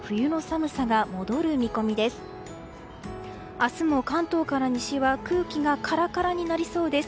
明日も関東から西は空気がカラカラになりそうです。